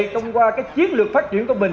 thông qua chiến lược phát triển của mình